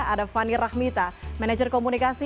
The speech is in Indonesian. ada fani rahmita manajer komunikasi